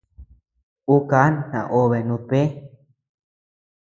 Ú ká naobe nutbëe.